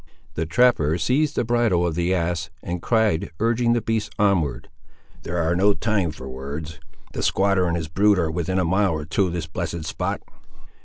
The trapper seized the bridle of the ass, and cried, urging the beast onward— "There is no time for words. The squatter and his brood are within a mile or two of this blessed spot!"